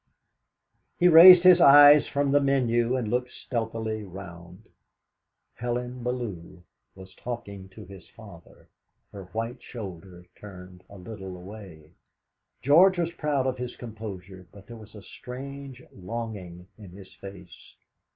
He raised his eyes from the menu and looked stealthily round. Helen Bellew was talking to his father, her white shoulder turned a little away. George was proud of his composure, but there was a strange longing in his face.